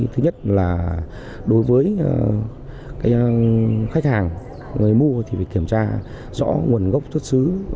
thứ nhất là đối với khách hàng người mua thì phải kiểm tra rõ nguồn gốc xuất xứ